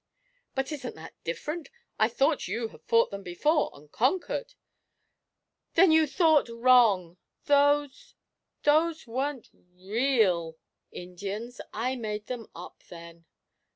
'But isn't that different? I thought you had fought them before, and conquered?' 'Then you thought wrong! Those those weren't real Indians I made them up, then!'